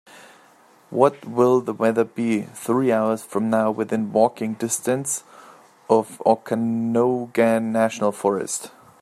What will the weather be three hours from now within walking distance of Okanogan National Forest?